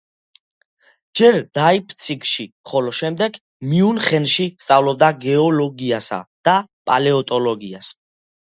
ჯერ ლაიფციგში, ხოლო შემდეგ მიუნხენში სწავლობდა გეოლოგიასა და პალეონტოლოგიას.